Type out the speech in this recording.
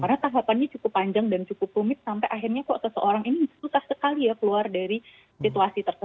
karena tahapannya cukup panjang dan cukup rumit sampai akhirnya kok seseorang ini susah sekali ya keluar dari situasi ini